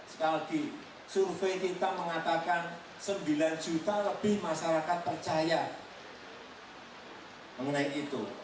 sekali lagi survei kita mengatakan sembilan juta lebih masyarakat percaya mengenai itu